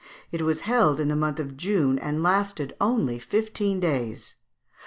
It was held in the month of June, and only lasted fifteen days.